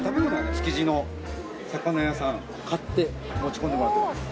築地の魚屋さん買って持ち込んでもらってます。